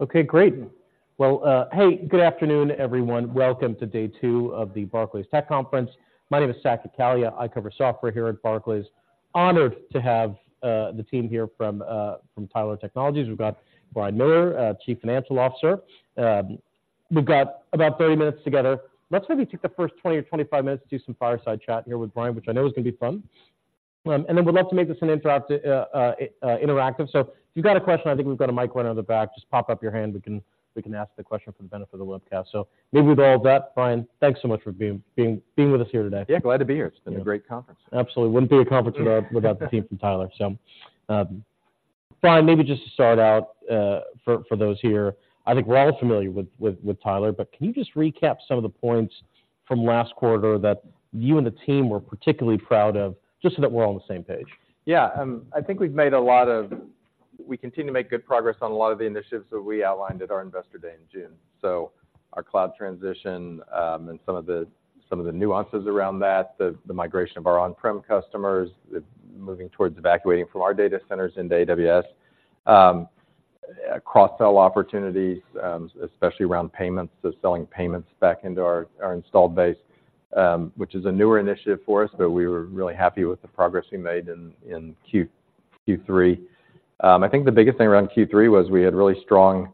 Okay, great! Well, hey, good afternoon, everyone. Welcome to day two of the Barclays Tech Conference. My name is Saket Kalia. I cover software here at Barclays. Honored to have the team here from Tyler Technologies. We've got Brian Miller, Chief Financial Officer. We've got about 30 minutes together. Let's maybe take the first 20 or 25 minutes to do some fireside chat here with Brian, which I know is gonna be fun. And then we'd love to make this an interactive. So if you've got a question, I think we've got a mic running out of the back. Just pop up your hand. We can ask the question for the benefit of the webcast. So maybe with all that, Brian, thanks so much for being with us here today. Yeah, glad to be here. It's been a great conference. Absolutely. Wouldn't be a conference without the team from Tyler. So, Brian, maybe just to start out, for those here, I think we're all familiar with Tyler, but can you just recap some of the points from last quarter that you and the team were particularly proud of, just so that we're all on the same page? Yeah, I think we continue to make good progress on a lot of the initiatives that we outlined at our Investor Day in June. So our cloud transition and some of the nuances around that, the migration of our on-prem customers, moving towards evacuating from our data centers into AWS, cross-sell opportunities, especially around payments, so selling payments back into our installed base, which is a newer initiative for us, but we were really happy with the progress we made in Q3. I think the biggest thing around Q3 was we had really strong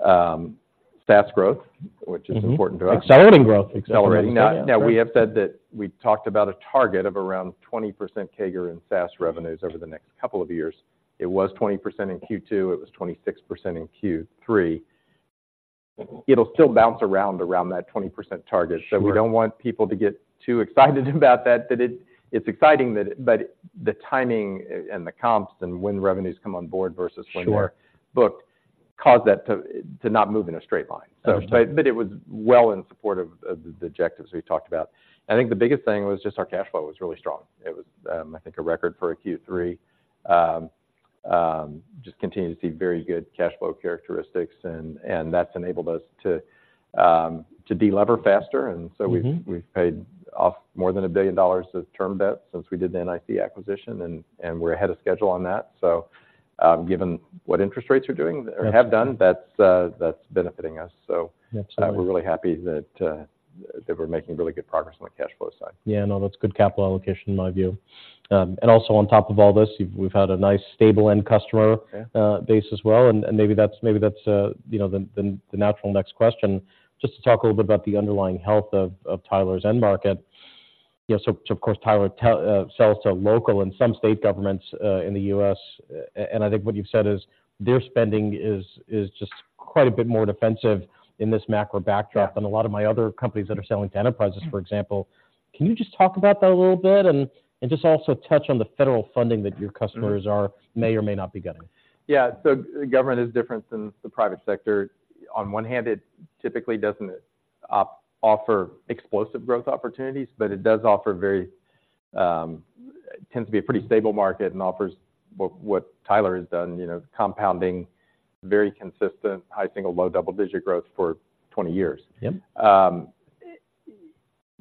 SaaS growth, which is important to us. Accelerating growth. Accelerating. Now, we have said that we talked about a target of around 20% CAGR in SaaS revenues over the next couple of years. It was 20% in Q2, it was 26% in Q3. It'll still bounce around, around that 20% target. Sure. So we don't want people to get too excited about that. But it's exciting that—but the timing and the comps and when revenues come on board versus- Sure... when they are booked, cause that to not move in a straight line. Okay. But it was well in support of the objectives we talked about. I think the biggest thing was just our cash flow was really strong. It was, I think, a record for a Q3. Just continue to see very good cash flow characteristics, and that's enabled us to de-lever faster. Mm-hmm. And so we've paid off more than $1 billion of term debt since we did the NIC acquisition, and we're ahead of schedule on that. So, given what interest rates are doing or have done, that's benefiting us. Absolutely. So we're really happy that, that we're making really good progress on the cash flow side. Yeah, no, that's good capital allocation, in my view. And also on top of all this, we've had a nice stable end customer- Yeah... base as well, and maybe that's, maybe that's, you know, the natural next question. Just to talk a little bit about the underlying health of Tyler's end market. Yeah, so of course, Tyler sells to local and some state governments in the U.S., and I think what you've said is their spending is just quite a bit more defensive in this macro backdrop- Yeah... than a lot of my other companies that are selling to enterprises, for example. Can you just talk about that a little bit and, and just also touch on the federal funding that your customers are- Mm-hmm... may or may not be getting? Yeah. So government is different than the private sector. On one hand, it typically doesn't offer explosive growth opportunities, but it does offer very tends to be a pretty stable market and offers what Tyler has done, you know, compounding very consistent, high single, low double-digit growth for 20 years. Yep.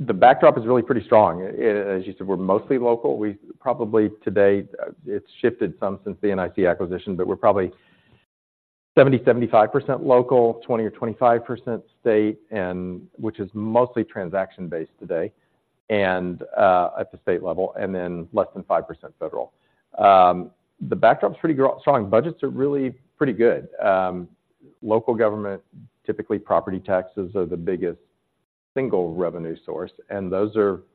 The backdrop is really pretty strong. As you said, we're mostly local. We probably today, it's shifted some since the NIC acquisition, but we're probably 70-75% local, 20 or 25% state, and which is mostly transaction-based today, and at the state level, and then less than 5% federal. The backdrop is pretty strong. Budgets are really pretty good. Local government, typically, property taxes are the biggest single revenue source, and those are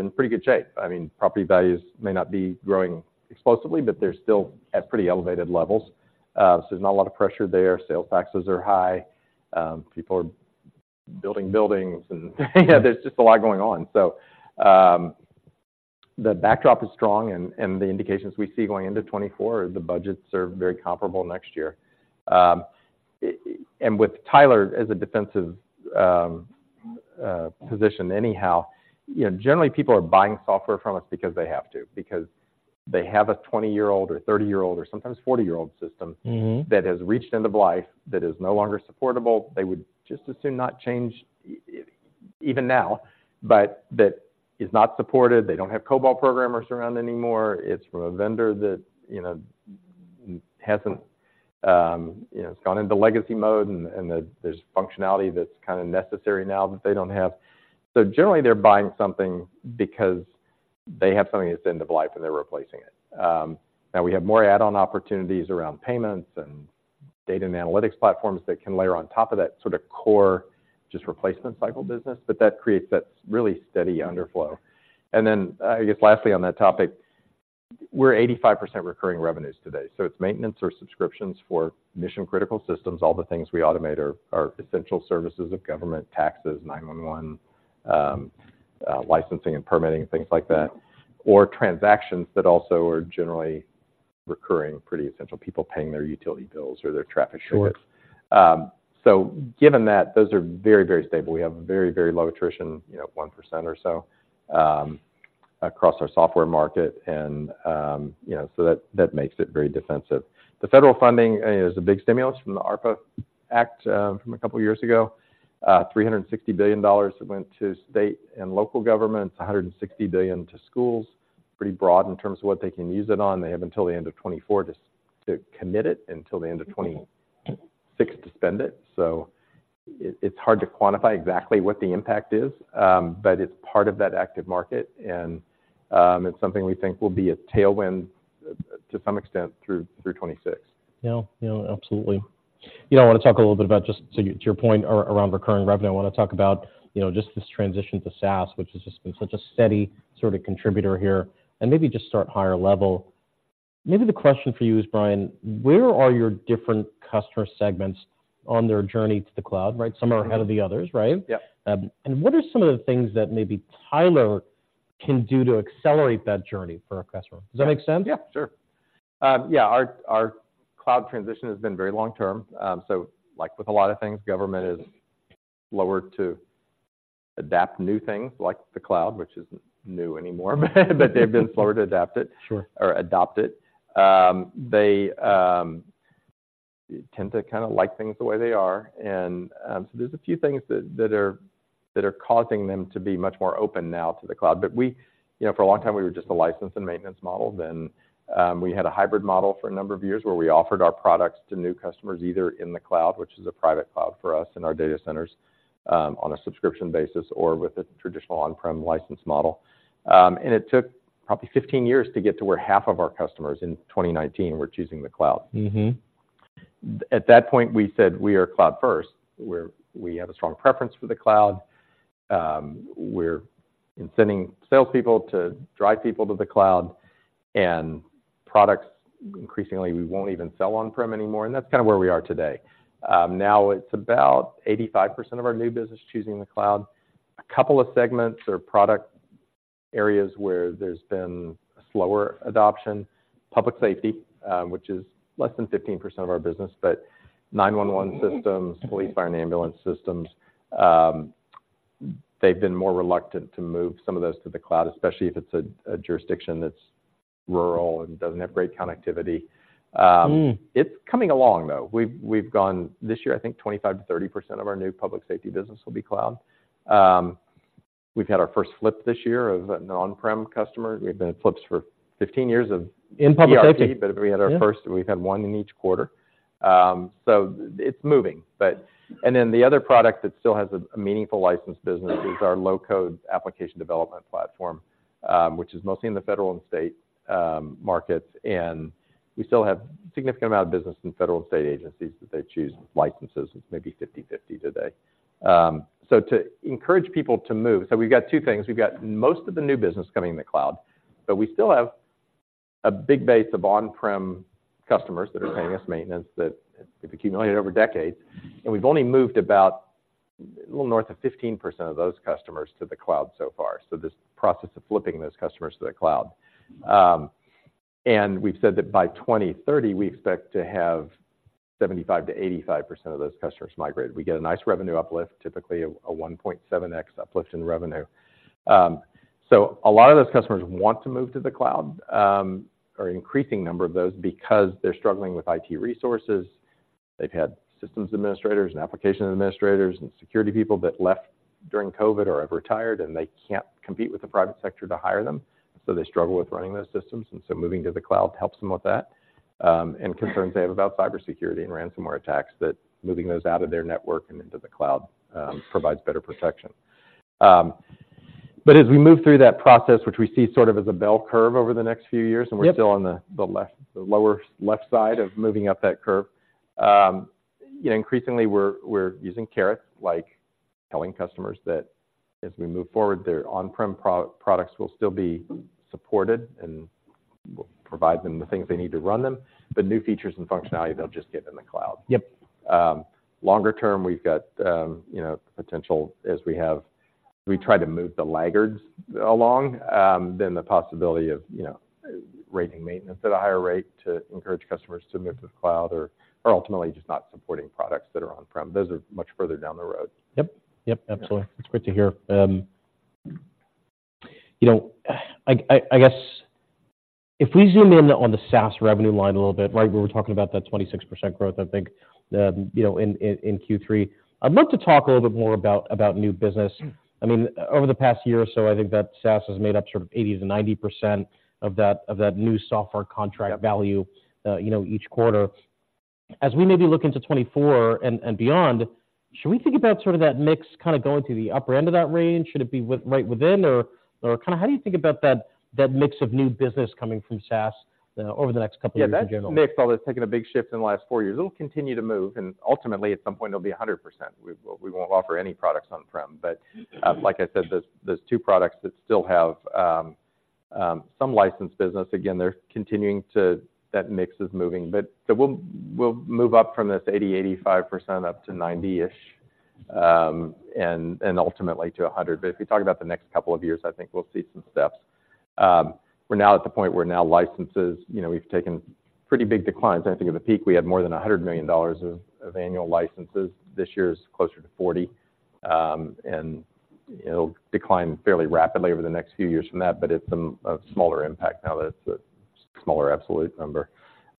in pretty good shape. I mean, property values may not be growing explosively, but they're still at pretty elevated levels. So there's not a lot of pressure there. Sales taxes are high, people are building buildings, and yeah, there's just a lot going on. The backdrop is strong, and the indications we see going into 2024, the budgets are very comparable next year. With Tyler as a defensive position anyhow, you know, generally people are buying software from us because they have to, because they have a 20-year-old or 30-year-old, or sometimes 40-year-old system- Mm-hmm... that has reached end of life, that is no longer supportable. They would just as soon not change even now, but that is not supported, they don't have COBOL programmers around anymore. It's from a vendor that, you know, hasn't, you know, has gone into legacy mode, and, and there's functionality that's kind of necessary now that they don't have. So generally, they're buying something because they have something that's end of life, and they're replacing it. Now we have more add-on opportunities around payments and data and analytics platforms that can layer on top of that sort of core, just replacement cycle business, but that creates that really steady underflow. And then, I guess, lastly, on that topic, we're 85% recurring revenues today, so it's maintenance or subscriptions for mission-critical systems. All the things we automate are essential services of government, taxes, nine one one, licensing and permitting, things like that, or transactions that also are generally recurring, pretty essential, people paying their utility bills or their traffic courts. Sure. So given that, those are very, very stable. We have very, very low attrition, you know, 1% or so, across our software market, and, you know, so that, that makes it very defensive. The federal funding is a big stimulus from the ARPA Act, from a couple of years ago. $360 billion went to state and local governments, $160 billion to schools. Pretty broad in terms of what they can use it on. They have until the end of 2024 to, to commit it, until the end of 2026 to spend it. So it, it's hard to quantify exactly what the impact is, but it's part of that active market, and, it's something we think will be a tailwind, to some extent through 2026. Yeah. Yeah, absolutely. You know, I wanna talk a little bit about just, so to your point around recurring revenue, I wanna talk about, you know, just this transition to SaaS, which has just been such a steady sort of contributor here, and maybe just start higher level. Maybe the question for you is, Brian, where are your different customer segments on their journey to the cloud, right? Some are ahead of the others, right? Yep. What are some of the things that maybe Tyler can do to accelerate that journey for a customer? Does that make sense? Yeah, sure. Yeah, our, our cloud transition has been very long term. So like with a lot of things, government is slower to adapt new things like the cloud, which isn't new anymore, but they've been slower to adapt it- Sure... or adopt it. They tend to kinda like things the way they are. And so there's a few things that are causing them to be much more open now to the cloud. But we, you know, for a long time, we were just a license and maintenance model. Then we had a hybrid model for a number of years, where we offered our products to new customers, either in the cloud, which is a private cloud for us in our data centers, on a subscription basis or with a traditional on-prem license model. And it took probably 15 years to get to where half of our customers in 2019 were choosing the cloud. Mm-hmm. At that point, we said we are cloud first, where we have a strong preference for the cloud, we're incenting salespeople to drive people to the cloud, and products, increasingly, we won't even sell on-prem anymore, and that's kinda where we are today. Now it's about 85% of our new business choosing the cloud. A couple of segments or product areas where there's been a slower adoption: public safety, which is less than 15% of our business, but 911 systems, police, fire, and ambulance systems, they've been more reluctant to move some of those to the cloud, especially if it's a jurisdiction that's rural and doesn't have great connectivity. Mm. It's coming along, though. We've gone... This year, I think 25%-30% of our new public safety business will be cloud. We've had our first flip this year of an on-prem customer. We've been in flips for 15 years of- In public safety? ERP, but we had our first- Yeah. We've had one in each quarter. So it's moving, but... And then the other product that still has a meaningful license business is our low-code application development platform, which is mostly in the federal and state markets, and we still have a significant amount of business in federal and state agencies that they choose licenses. It's maybe 50/50 today. So to encourage people to move... So we've got two things: We've got most of the new business coming in the cloud, but we still have a big base of on-prem customers that are paying us maintenance, that we've accumulated over decades, and we've only moved about a little north of 15% of those customers to the cloud so far, so this process of flipping those customers to the cloud. And we've said that by 2030, we expect to have 75%-85% of those customers migrated. We get a nice revenue uplift, typically a 1.7x uplift in revenue. So a lot of those customers want to move to the cloud, or an increasing number of those, because they're struggling with IT resources. They've had systems administrators and application administrators and security people that left during COVID or have retired, and they can't compete with the private sector to hire them, so they struggle with running those systems, and so moving to the cloud helps them with that. And concerns they have about cybersecurity and ransomware attacks, that moving those out of their network and into the cloud, provides better protection. But as we move through that process, which we see sort of as a bell curve over the next few years- Yep... and we're still on the lower left side of moving up that curve, you know, increasingly, we're using carrots, like telling customers that as we move forward, their on-prem products will still be supported and we'll provide them the things they need to run them, but new features and functionality, they'll just get in the cloud. Yep. Longer term, we've got, you know, potential as we try to move the laggards along, then the possibility of, you know, raising maintenance at a higher rate to encourage customers to move to the cloud or ultimately just not supporting products that are on-prem. Those are much further down the road. Yep. Yep, absolutely. It's great to hear. You know, I guess if we zoom in on the SaaS revenue line a little bit, right, where we're talking about that 26% growth, I think, you know, in Q3, I'd love to talk a little bit more about new business. Mm. I mean, over the past year or so, I think that SaaS has made up sort of 80%-90% of that, of that new software contract- Yep... value, you know, each quarter. As we maybe look into 2024 and beyond, should we think about sort of that mix kind of going to the upper end of that range? Should it be right within, or kinda how do you think about that mix of new business coming from SaaS over the next couple of years in general? Yeah, that mix has taken a big shift in the last four years. It'll continue to move, and ultimately, at some point, it'll be 100%. We won't offer any products on-prem, but, like I said, those two products that still have some licensed business, again, they're continuing to... That mix is moving. But, so we'll move up from this 80%-85% up to 90-ish, and ultimately to 100%. But if you talk about the next couple of years, I think we'll see some steps. We're now at the point where now licenses, you know, we've taken pretty big declines. I think at the peak, we had more than $100 million of annual licenses. This year is closer to 40, and it'll decline fairly rapidly over the next few years from that, but it's a smaller impact now that it's a smaller absolute number.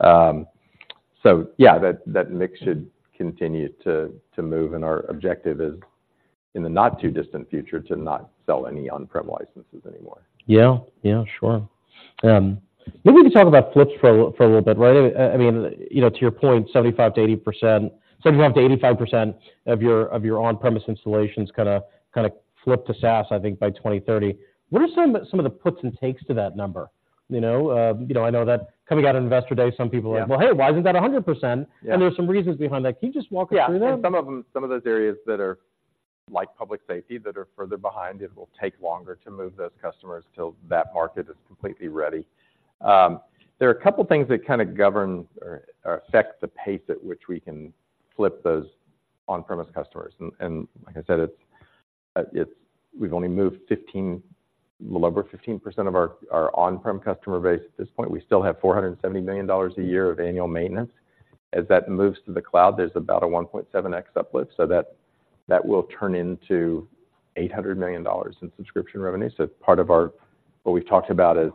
So yeah, that mix should continue to move, and our objective is, in the not too distant future, to not sell any on-prem licenses anymore. Yeah. Yeah, sure. Maybe we can talk about flips for a little bit, right? I mean, you know, to your point, 75%-80%, 75%-85% of your on-premise installations kind of flip to SaaS, I think, by 2030. What are some of the puts and takes to that number, you know? You know, I know that coming out of Investor Day, some people are like- Yeah. Well, hey, why isn't that 100%? Yeah. There's some reasons behind that. Can you just walk us through them? Yeah, and some of them, some of those areas that are, like public safety, that are further behind, it will take longer to move those customers till that market is completely ready. There are a couple things that kinda govern or, or affect the pace at which we can flip those on-premise customers. And like I said, we've only moved 15, well, over 15% of our on-prem customer base at this point. We still have $470 million a year of annual maintenance. As that moves to the cloud, there's about a 1.7x uplift, so that will turn into $800 million in subscription revenue. So part of our what we've talked about is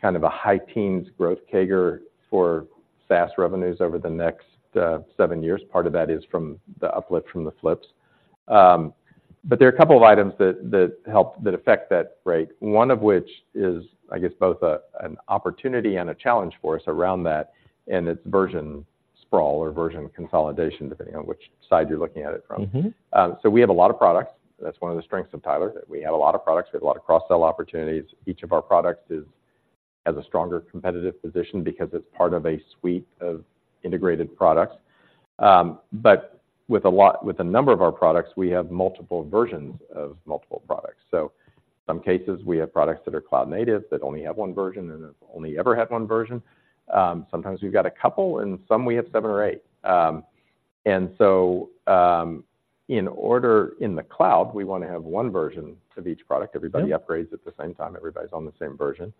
kind of a high teens growth CAGR for SaaS revenues over the next seven years. Part of that is from the uplift from the Flips. But there are a couple of items that help, that affect that rate, one of which is, I guess, both an opportunity and a challenge for us around that, and it's Version Sprawl or Version Consolidation, depending on which side you're looking at it from. Mm-hmm. We have a lot of products. That's one of the strengths of Tyler, that we have a lot of products. We have a lot of cross-sell opportunities. Each of our products is, has a stronger competitive position because it's part of a suite of integrated products. But with a number of our products, we have multiple versions of multiple products. So some cases, we have products that are cloud native, that only have 1 version and have only ever had 1 version. Sometimes we've got a couple, and some we have seven or eight. And so, in the cloud, we wanna have 1 version of each product. Mm-hmm. Everybody upgrades at the same time, everybody's on the same version.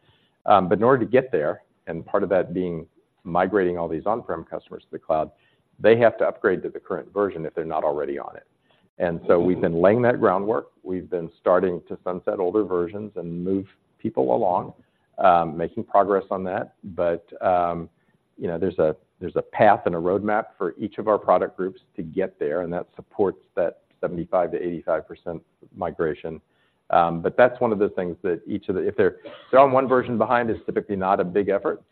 But in order to get there, and part of that being migrating all these on-prem customers to the cloud, they have to upgrade to the current version if they're not already on it. Mm-hmm. And so we've been laying that groundwork. We've been starting to sunset older versions and move people along, making progress on that. But you know, there's a path and a roadmap for each of our product groups to get there, and that supports that 75%-85% migration. But that's one of the things that each of the... If they're on one version behind, it's typically not a big effort.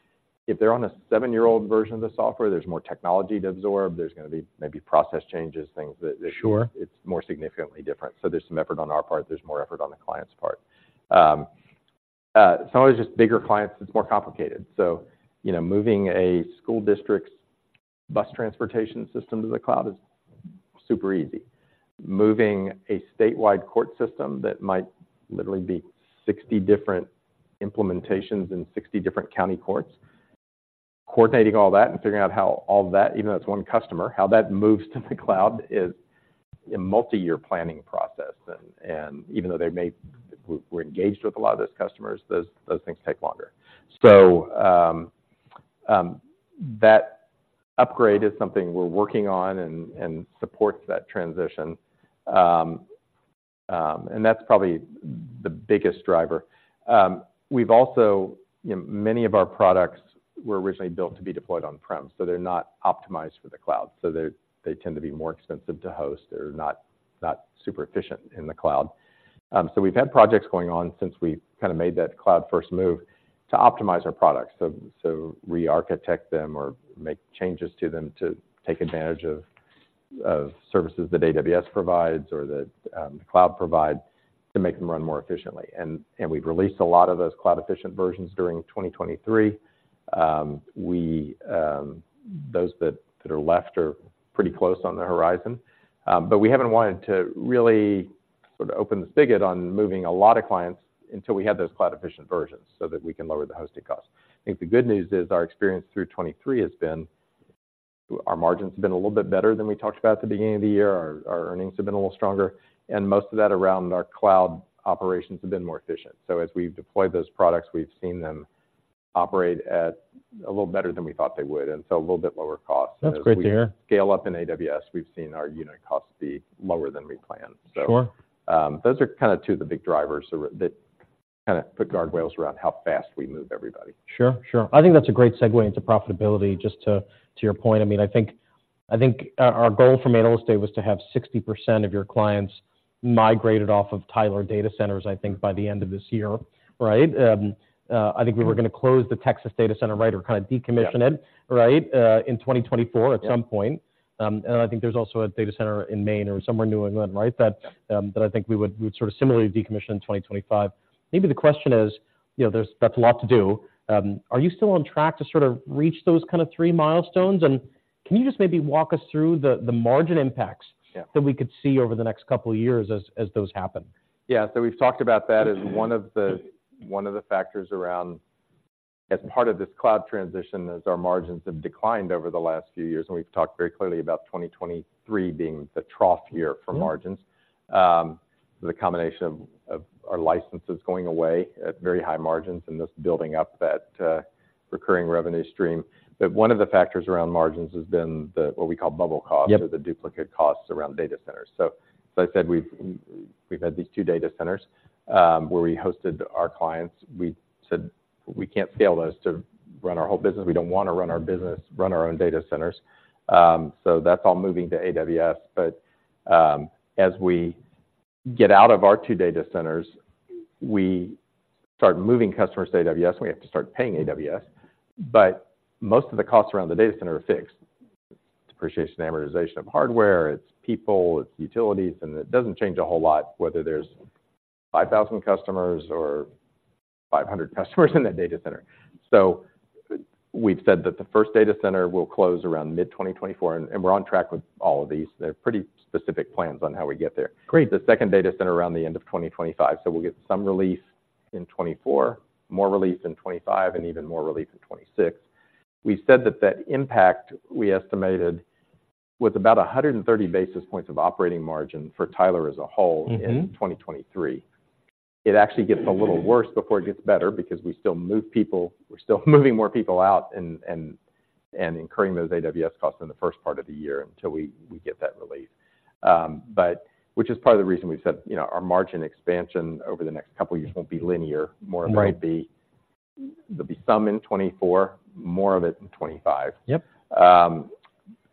If they're on a seven-year-old version of the software, there's more technology to absorb. There's gonna be maybe process changes, things that- Sure... it's more significantly different. So there's some effort on our part, there's more effort on the client's part. Some of it is just bigger clients, it's more complicated. So, you know, moving a school district's bus transportation system to the cloud is super easy. Moving a statewide court system that might literally be 60 different implementations in 60 different county courts, coordinating all that and figuring out how all that, even though it's one customer, how that moves to the cloud is a multi-year planning process. And even though they may... We're engaged with a lot of those customers, those things take longer. So, that upgrade is something we're working on and supports that transition. And that's probably the biggest driver. We've also, you know, many of our products were originally built to be deployed on-prem, so they're not optimized for the cloud, so they tend to be more expensive to host. They're not super efficient in the cloud. So we've had projects going on since we kind of made that cloud-first move to optimize our products. So re-architect them or make changes to them to take advantage of services that AWS provides or that the cloud provides to make them run more efficiently. And we've released a lot of those cloud-efficient versions during 2023. Those that are left are pretty close on the horizon. But we haven't wanted to really sort of open the spigot on moving a lot of clients until we had those cloud-efficient versions, so that we can lower the hosting costs. I think the good news is our experience through 2023 has been, our margins have been a little bit better than we talked about at the beginning of the year. Our, our earnings have been a little stronger, and most of that around our cloud operations have been more efficient. So as we've deployed those products, we've seen them operate at a little better than we thought they would, and so a little bit lower cost. That's great to hear. As we scale up in AWS, we've seen our unit costs be lower than we planned. Sure. Those are kind of two of the big drivers that kind of put guardrails around how fast we move everybody. Sure, sure. I think that's a great segue into profitability, just to your point. I mean, I think our goal from analyst day was to have 60% of your clients migrated off of Tyler data centers, I think, by the end of this year, right? I think we were gonna close the Texas data center, right, or kind of decommission it- Yeah... right, in 2024 at some point. Yeah. I think there's also a data center in Maine or somewhere in New England, right? Yeah. That I think we would, we would sort of similarly decommission in 2025. Maybe the question is, you know, there's, that's a lot to do. Are you still on track to sort of reach those kind of three milestones? And can you just maybe walk us through the margin impacts- Yeah... that we could see over the next couple of years as those happen? Yeah. So we've talked about that as one of the factors around, as part of this cloud transition, as our margins have declined over the last few years, and we've talked very clearly about 2023 being the trough year for margins. Mm-hmm. The combination of our licenses going away at very high margins and just building up that recurring revenue stream. But one of the factors around margins has been the, what we call bubble costs- Yep... or the duplicate costs around data centers. So, as I said, we've had these two data centers where we hosted our clients. We said we can't scale those to run our whole business. We don't wanna run our business, run our own data centers. So that's all moving to AWS. But as we get out of our two data centers, we start moving customers to AWS, and we have to start paying AWS. But most of the costs around the data center are fixed. Depreciation and amortization of hardware, it's people, it's utilities, and it doesn't change a whole lot whether there's 5,000 customers or 500 customers in that data center. So we've said that the first data center will close around mid-2024, and we're on track with all of these. They're pretty specific plans on how we get there. Great. The second data center around the end of 2025. So we'll get some relief in 2024, more relief in 2025, and even more relief in 2026. We said that that impact, we estimated, was about 130 basis points of operating margin for Tyler as a whole- Mm-hmm... in 2023. It actually gets a little worse before it gets better because we still move people, we're still moving more people out and incurring those AWS costs in the first part of the year until we get that relief. But which is part of the reason we've said, you know, our margin expansion over the next couple of years won't be linear- No. more it might be... There'll be some in 2024, more of it in 2025. Yep.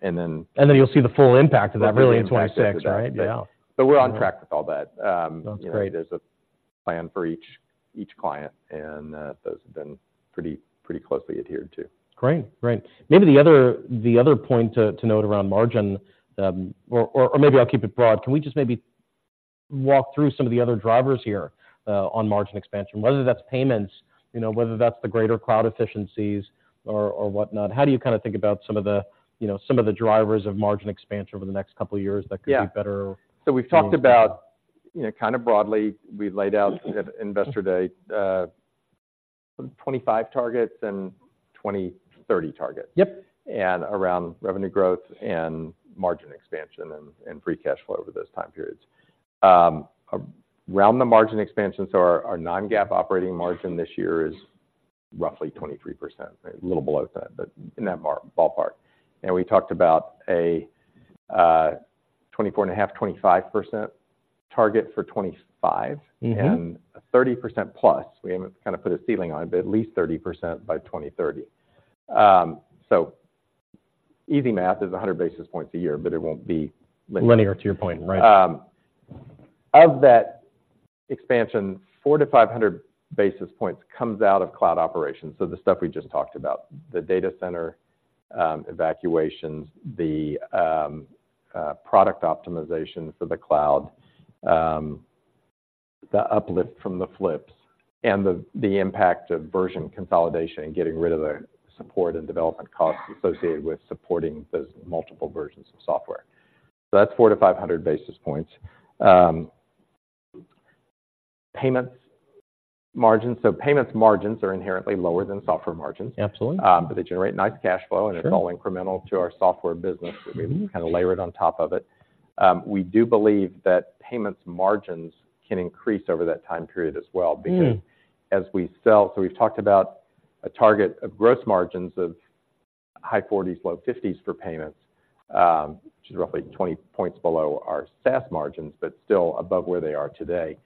and then- And then you'll see the full impact of that really in 2026, right? Yeah. We're on track with all that. That's great. There's a plan for each client, and those have been pretty closely adhered to. Great. Great. Maybe the other point to note around margin, or maybe I'll keep it broad. Can we just maybe walk through some of the other drivers here on margin expansion, whether that's payments, you know, whether that's the greater cloud efficiencies or whatnot? How do you kinda think about some of the, you know, drivers of margin expansion over the next couple of years that could- Yeah -be better? We've talked about, you know, kind of broadly, we laid out at Investor Day 25 targets and 2030 targets. Yep. Around revenue growth and margin expansion and free cash flow over those time periods. Around the margin expansion, so our non-GAAP operating margin this year is roughly 23%, a little below that, but in that ballpark. We talked about a 24.5%-25% target for 2025- Mm-hmm... and a 30%+. We haven't kind of put a ceiling on it, but at least 30% by 2030. So easy math is 100 basis points a year, but it won't be- Linear to your point, right. Of that expansion, 400-500 basis points comes out of cloud operations. So the stuff we just talked about, the data center evacuations, the product optimization for the cloud, the uplift from the flips, and the impact of version consolidation and getting rid of the support and development costs associated with supporting those multiple versions of software. So that's 400-500 basis points. Payments margins. So payments margins are inherently lower than software margins. Absolutely. But they generate nice cash flow. Sure... and it's all incremental to our software business, so we kind of layer it on top of it. We do believe that payments margins can increase over that time period as well. Mm... because as we sell. So we've talked about a target of gross margins of high 40s, low 50s for payments, which is roughly 20 points below our SaaS margins, but still above where they are today.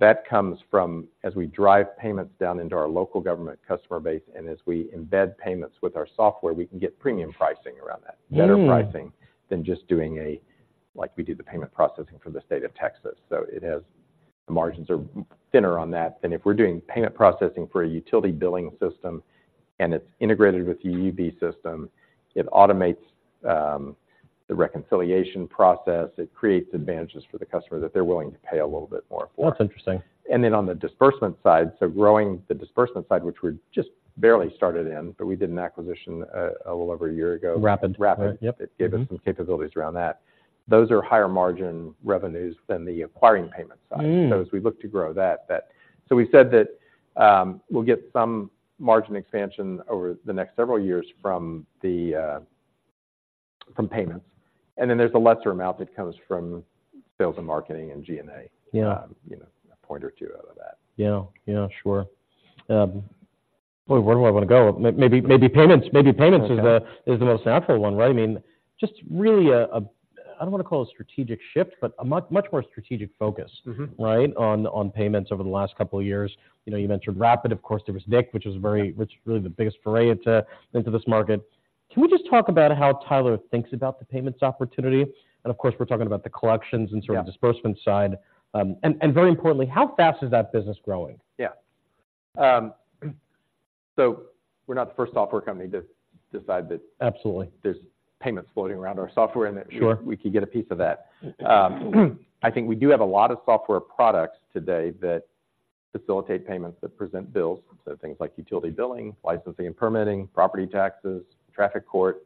That comes from as we drive payments down into our local government customer base, and as we embed payments with our software, we can get premium pricing around that. Mm. Better pricing than just doing a, like, we do the payment processing for the state of Texas, so it has... The margins are thinner on that than if we're doing payment processing for a utility billing system, and it's integrated with the UB system. It automates the reconciliation process. It creates advantages for the customer that they're willing to pay a little bit more for. That's interesting. And then on the disbursement side, so growing the disbursement side, which we're just barely started in, but we did an acquisition a little over a year ago. Rapid. Rapid. Yep, mm-hmm. It gave us some capabilities around that. Those are higher margin revenues than the acquiring payment side. Mm. So we said that we'll get some margin expansion over the next several years from payments, and then there's a lesser amount that comes from sales and marketing and G&A. Yeah. You know, a point or two out of that. Yeah. Yeah, sure. Where do I want to go? Maybe, maybe payments, maybe payments- Okay... is the most natural one, right? I mean, just really, I don't want to call it a strategic shift, but a much, much more strategic focus- Mm-hmm... right, on payments over the last couple of years. You know, you mentioned Rapid. Of course, there was NIC, which was very- Yeah... which is really the biggest foray into this market. Can we just talk about how Tyler thinks about the payments opportunity? And of course, we're talking about the collections- Yeah... and sort of disbursement side. And very importantly, how fast is that business growing? Yeah. So we're not the first software company to decide that- Absolutely... there's payments floating around our software, and that- Sure... we could get a piece of that. I think we do have a lot of software products today that facilitate payments, that present bills. So things like utility billing, licensing and permitting, property taxes, traffic court,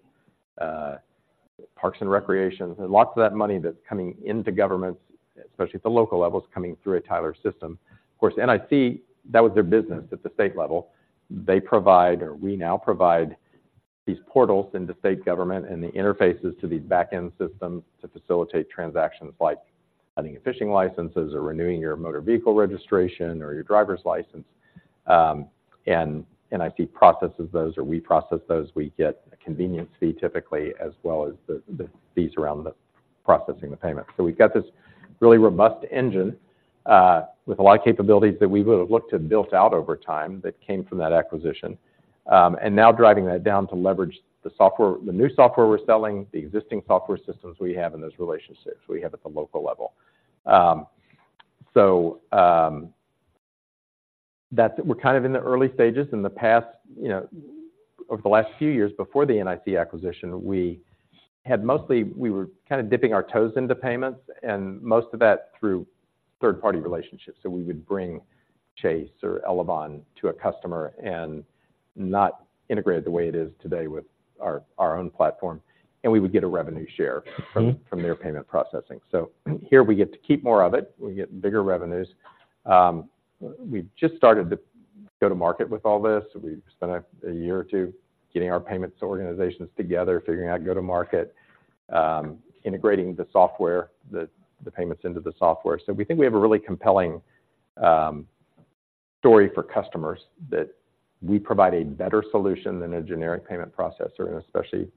parks and recreations, and lots of that money that's coming into governments, especially at the local level, is coming through a Tyler system. Of course, NIC, that was their business at the state level. They provide, or we now provide, these portals into state government and the interfaces to these back-end systems to facilitate transactions like adding fishing licenses or renewing your motor vehicle registration or your driver's license. And NIC processes those, or we process those. We get a convenience fee typically, as well as the, the fees around the processing the payment. So we've got this-... really robust engine with a lot of capabilities that we would have looked to built out over time that came from that acquisition. And now driving that down to leverage the software, the new software we're selling, the existing software systems we have, and those relationships we have at the local level. So we're kind of in the early stages. In the past, you know, over the last few years before the NIC acquisition, we were kind of dipping our toes into payments, and most of that through third-party relationships. So we would bring Chase or Elavon to a customer and not integrate it the way it is today with our, our own platform, and we would get a revenue share- Mm-hmm From their payment processing. So here we get to keep more of it, we get bigger revenues. We've just started to go to market with all this. We've spent a year or two getting our payments organizations together, figuring out go-to-market, integrating the software, the payments into the software. So we think we have a really compelling story for customers, that we provide a better solution than a generic payment processor, and especially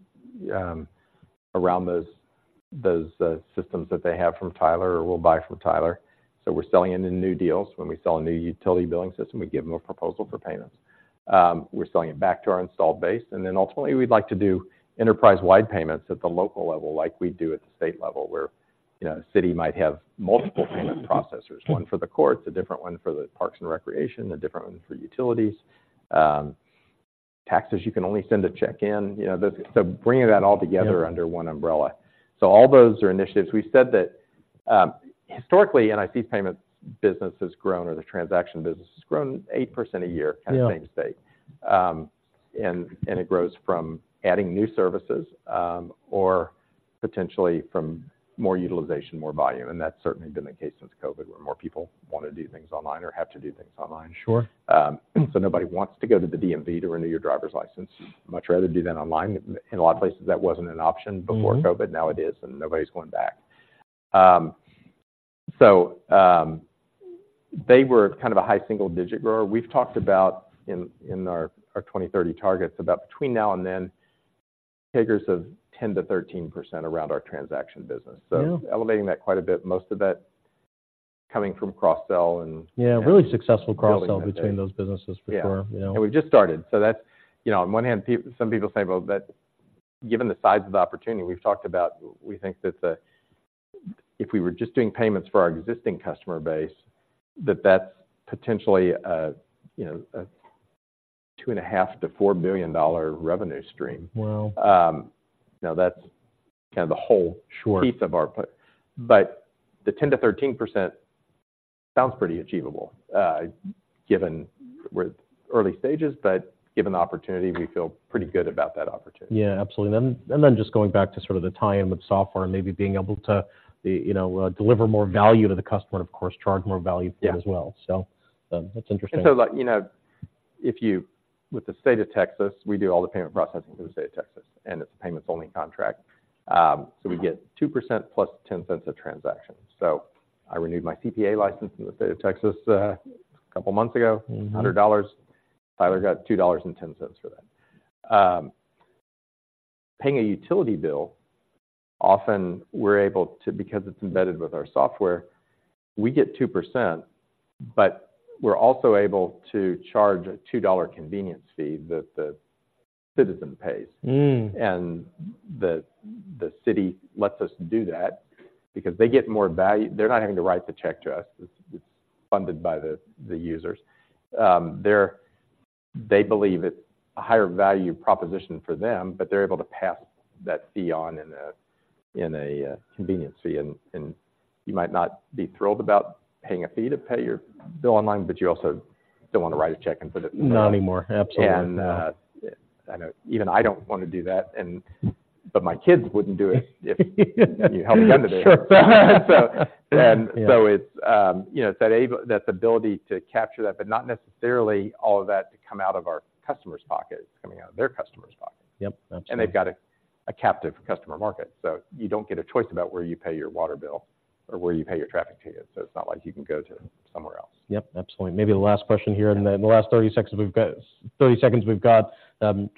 around those systems that they have from Tyler or will buy from Tyler. So we're selling into new deals. When we sell a new utility billing system, we give them a proposal for payments. We're selling it back to our installed base, and then ultimately, we'd like to do enterprise-wide payments at the local level, like we do at the state level, where, you know, a city might have multiple payment processors: one for the courts, a different one for the parks and recreation, a different one for utilities. Taxes, you can only send a check in, you know, those... So bringing that all together- Yeah under one umbrella. So all those are initiatives. We said that, historically, NIC's payment business has grown, or the transaction business, has grown 8% a year- Yeah - kind of same state. And it grows from adding new services, or potentially from more utilization, more volume, and that's certainly been the case since COVID, where more people want to do things online or have to do things online. Sure. So, nobody wants to go to the DMV to renew your driver's license. Much rather do that online. In a lot of places, that wasn't an option before COVID- Mm-hmm... now it is, and nobody's going back. So, they were kind of a high single-digit grower. We've talked about in our 2030 targets, about between now and then, figures of 10%-13% around our transaction business. Yeah. So, elevating that quite a bit, most of that coming from cross-sell, and- Yeah, really successful cross-sell- Building that between those businesses before. Yeah. You know. We've just started. So that's... You know, on one hand, some people say, well, that given the size of the opportunity we've talked about, we think that if we were just doing payments for our existing customer base, that that's potentially a, you know, a $2.5 billion-$4 billion revenue stream. Wow! Now, that's kind of the whole- Sure But the 10%-13% sounds pretty achievable, given we're early stages, but given the opportunity, we feel pretty good about that opportunity. Yeah, absolutely. Then just going back to sort of the tie-in with software and maybe being able to, you know, deliver more value to the customer and, of course, charge more value for it as well. Yeah. So, that's interesting. Like, you know, if with the state of Texas, we do all the payment processing for the state of Texas, and it's a payments-only contract. So we get 2% plus $0.10 a transaction. So I renewed my CPA license in the state of Texas a couple of months ago. Mm-hmm. $100. Tyler got $2.10 for that. Paying a utility bill, often we're able to, because it's embedded with our software, we get 2%, but we're also able to charge a $2 convenience fee that the citizen pays. Mm. The city lets us do that because they get more value. They're not having to write the check to us; it's funded by the users. They believe it's a higher value proposition for them, but they're able to pass that fee on in a convenience fee, and you might not be thrilled about paying a fee to pay your bill online, but you also don't want to write a check and put it in the- Not anymore. Absolutely. I know, even I don't want to do that, but my kids wouldn't do it if you helped them to do it. Sure. So, and- Yeah... so it's, you know, it's that ability to capture that, but not necessarily all of that to come out of our customers' pocket. It's coming out of their customers' pocket. Yep, absolutely. They've got a captive customer market, so you don't get a choice about where you pay your water bill or where you pay your traffic ticket, so it's not like you can go to somewhere else. Yep, absolutely. Maybe the last question here, in the last 30 seconds we've got,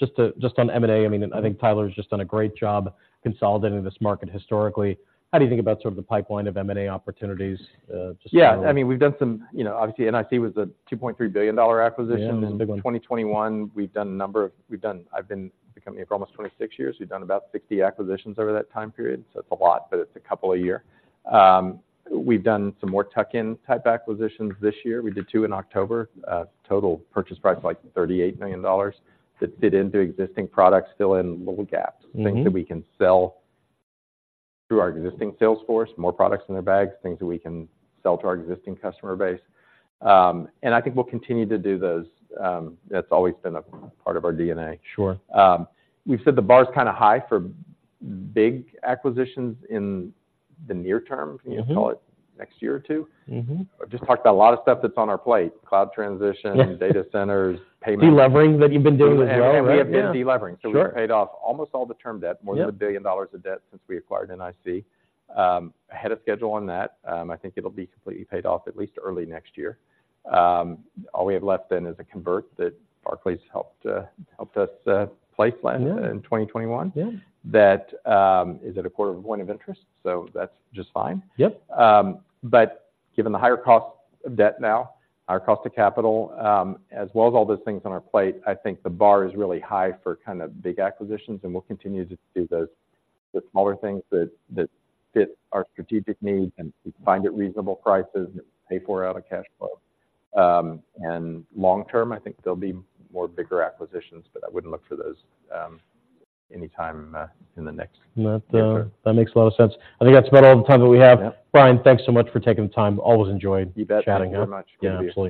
just on M&A. I mean, I think Tyler's just done a great job consolidating this market historically. How do you think about sort of the pipeline of M&A opportunities, just- Yeah. I mean, we've done some... You know, obviously, NIC was a $2.3 billion acquisition. Yeah, big one. In 2021, we've done a number of, we've done, I've been with the company for almost 26 years. We've done about 60 acquisitions over that time period, so it's a lot, but it's a couple a year. We've done some more tuck-in type acquisitions this year. We did two in October, total purchase price, like $38 million, that fit into existing products, fill in little gaps. Mm-hmm... things that we can sell through our existing sales force, more products in their bags, things that we can sell to our existing customer base. And I think we'll continue to do those. That's always been a part of our DNA. Sure. We've said the bar is kind of high for big acquisitions in the near term- Mm-hmm... you call it, next year or two? Mm-hmm. I've just talked about a lot of stuff that's on our plate: cloud transition- Yeah... data centers, payment- Delevering, that you've been doing as well, right? We have been delevering. Sure. We paid off almost all the term debt- Yeah... more than $1 billion of debt since we acquired NIC. Ahead of schedule on that. I think it'll be completely paid off at least early next year. All we have left then is a convert that Barclays helped us place last- Yeah... in 2021. Yeah. That is at 0.25 of a point of interest, so that's just fine. Yep. But given the higher cost of debt now, our cost of capital, as well as all those things on our plate, I think the bar is really high for kind of big acquisitions, and we'll continue to do those, the smaller things that fit our strategic needs, and we find at reasonable prices, and pay for out of cash flow. And long term, I think there'll be more bigger acquisitions, but I wouldn't look for those, anytime in the next near term. That, that makes a lot of sense. I think that's about all the time that we have. Yeah. Brian, thanks so much for taking the time. Always enjoyed- You bet... chatting here. Very much. Yeah, absolutely.